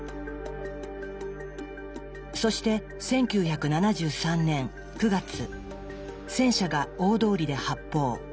そして１９７３年９月戦車が大通りで発砲。